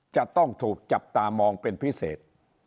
จะต้องถูกจับตามองเป็นพิเศษ